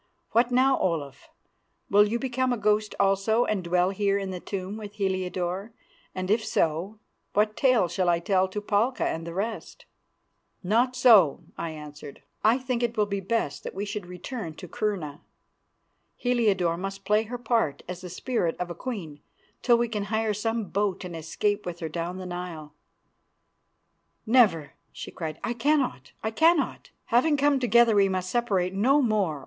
What now, Olaf? Will you become a ghost also and dwell here in the tomb with Heliodore; and if so, what tale shall I tell to Palka and the rest?" "Not so," I answered. "I think it will be best that we should return to Kurna. Heliodore must play her part as the spirit of a queen till we can hire some boat and escape with her down the Nile." "Never," she cried, "I cannot, I cannot. Having come together we must separate no more.